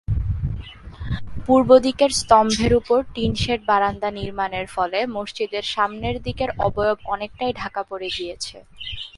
পূর্বদিকের স্তম্ভের উপর tin shed বারান্দা নির্মাণের ফলে মসজিদের সামনের দিকের অবয়ব অনেকটাই ঢাকা পড়ে গিয়েছে।